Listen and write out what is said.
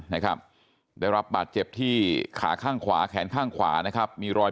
นะครับได้รับบาดเจ็บที่ขาข้างขวาแขนข้างขวานะครับมีรอย